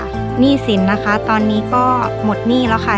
หนี้สินนะคะตอนนี้ก็หมดหนี้แล้วค่ะ